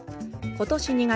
ことし２月。